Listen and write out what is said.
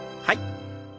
はい。